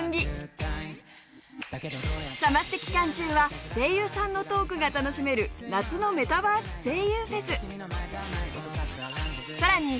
サマステ期間中は声優さんのトークが楽しめる夏のメタバース声優フェス。